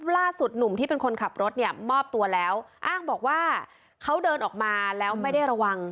ล่าสุดหนุ่มที่เป็นคนขับรถเนี่ยมอบตัวแล้วอ้างบอกว่าเขาเดินออกมาแล้วไม่ได้ระวัง